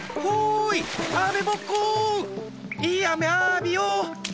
いいあめあびよ！